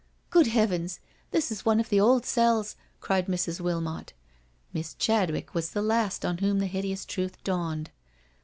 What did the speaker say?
" Good heavens I This is one of the old cells/' cried Mrs. Wilmot. Miss Chadwick was the last on whom the hideous truth dawned.